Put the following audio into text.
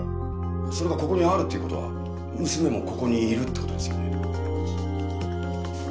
それがここにあるっていうことは娘もここにいるってことですよね？